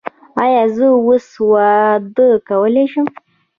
ایا زه اوس واده کولی شم؟